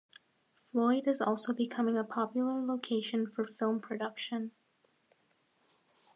Floyd is also becoming a popular location for film production.